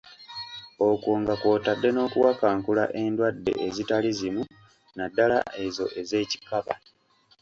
Okwo nga kw'otadde n'okuwakankula endwadde ezitali zimu, naddala ezo ez'ekikaba.